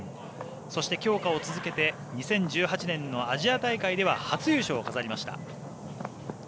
そして強化を続けて２０１８年のアジア大会では初優勝を飾りました。